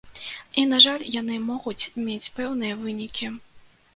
І, на жаль, яны могуць мець пэўныя вынікі.